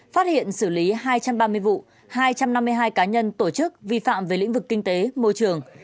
phát hiện xử lý hai trăm ba mươi vụ hai trăm năm mươi hai cá nhân tổ chức vi phạm về lĩnh vực kinh tế môi trường